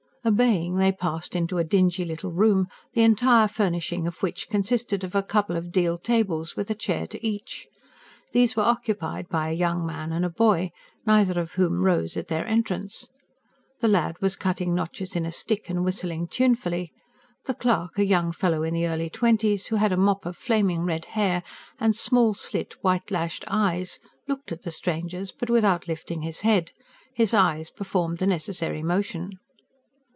Obeying, they passed into a dingy little room, the entire furnishing of which consisted of a couple of deal tables, with a chair to each. These were occupied by a young man and a boy, neither of whom rose at their entrance. The lad was cutting notches in a stick and whistling tunefully; the clerk, a young fellow in the early twenties, who had a mop of flaming red hair and small slit white lashed eyes, looked at the strangers, but without lifting his head: his eyes performed the necessary motion.